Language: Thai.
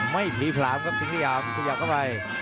ไม่พรีพร้ำครับสิงหยามพยายามเข้าไป